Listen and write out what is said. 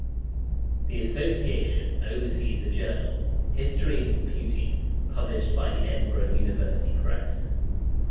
The Association oversees a journal, "History and Computing", published by the Edinburgh University Press.